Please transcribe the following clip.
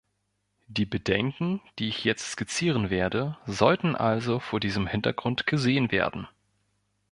Die Bedenken, die ich jetzt skizzieren werde, sollten also vor diesem Hintergrund gesehen werden.